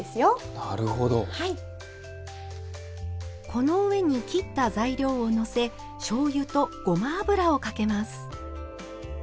この上に切った材料をのせしょうゆとごま油をかけます。